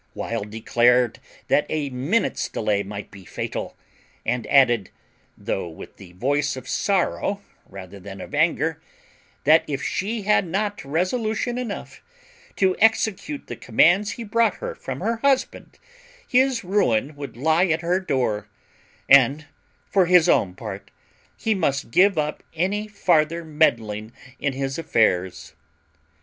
Wild declared that a minute's delay might be fatal; and added, though with the voice of sorrow rather than of anger, that if she had not resolution enough to execute the commands he brought her from her husband, his ruin would lie at her door; and, for his own part, he must give up any farther meddling in his affairs.